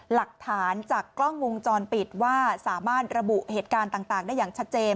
หลักฐานจากกล้องวงจรปิดว่าสามารถระบุเหตุการณ์ต่างได้อย่างชัดเจน